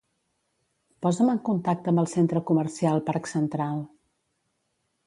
Posa'm en contacte amb el centre comercial Parc Central.